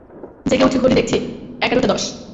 জেগে উঠে ঘড়ি দেখেছি, এগারটা দশ।